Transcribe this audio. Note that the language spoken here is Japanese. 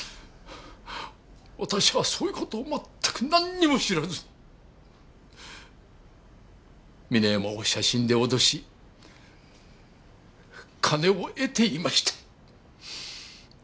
私はそういう事を全くなんにも知らずに峰山を写真で脅し金を得ていました。